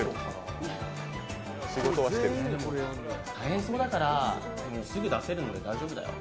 大変そうだから、すぐ出せるので大丈夫だよ。